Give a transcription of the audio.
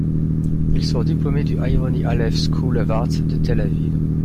Il sort diplômé du Ironi Alef School of Arts de Tel Aviv.